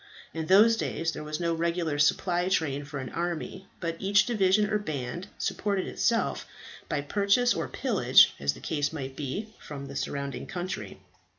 In those days there was no regular supply train for an army, but each division or band supported itself by purchase or pillage, as the case might be, from the surrounding country.